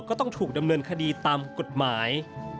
ก็ต้องถูกดำเนินคดีตามกฎหมาย